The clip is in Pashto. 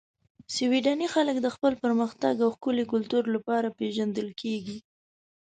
سویدني خلک د خپل پرمختګ او ښکلي کلتور لپاره پېژندل کیږي.